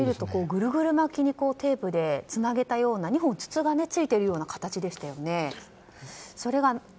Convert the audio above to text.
ぐるぐる巻きでテープでつながったような２本筒がついているようでしたよね。